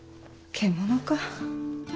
獣か。